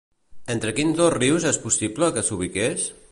Entre quins dos rius és possible que s'ubiqués?